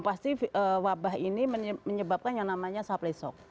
pasti wabah ini menyebabkan yang namanya supply shock